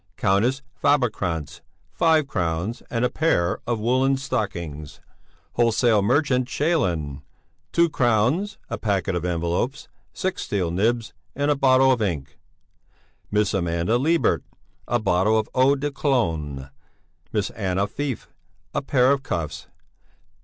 Countess Fabelkrantz, five crowns and a pair of woollen stockings. Wholesale merchant Schalin, two crowns, a packet of envelopes, six steel nibs, and a bottle of ink. Miss Amanda Libert, a bottle of eau de Cologne. Miss Anna Feif, a pair of cuffs.